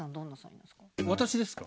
私ですか？